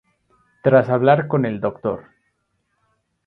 Tras hablar con El Dr.